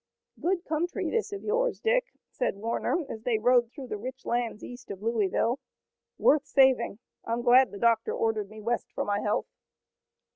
"Good country, this of yours, Dick," said Warner, as they rode through the rich lands east of Louisville. "Worth saving. I'm glad the doctor ordered me west for my health."